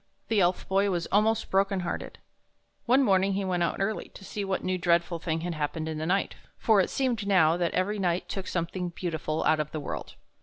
The Elf Boy was almost broken hearted. One morning he went out early, to see what new and dreadful thing had happened in the night, for it seemed now that every night took something beautiful out of the world.